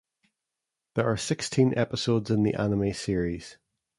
There are sixteen episodes in the anime series.